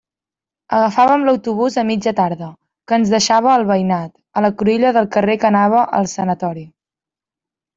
Agafàvem l'autobús a mitja tarda, que ens deixava al Veïnat, a la cruïlla del carrer que anava al Sanatori.